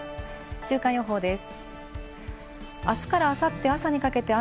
週間予報です。